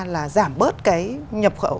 là giảm bớt cái nhập khẩu